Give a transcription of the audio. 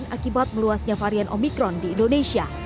akibat meluasnya varian omikron di indonesia